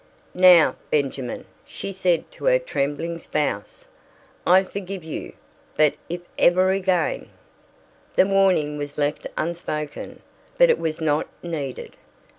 "Now, Benjamin," she said to her trembling spouse, "I forgive you. But if ever again " The warning was left unspoken, but it was not needed.